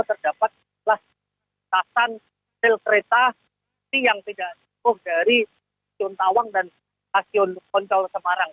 terdapat pelas tasan sel kereta yang tidak lumpuh dari stasiun tawang dan stasiun poncao semarang